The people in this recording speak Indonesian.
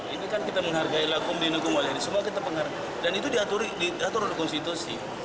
ini kan kita menghargai lakum dinukum wajah ini semua kita penghargai dan itu diatur di konstitusi